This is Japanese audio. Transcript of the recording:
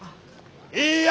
いいや！